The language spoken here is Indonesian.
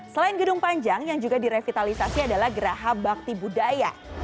selain gedung panjang yang juga direvitalisasi adalah geraha bakti budaya